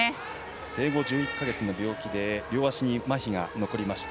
生後１１か月の病気で両足に、まひが残りました。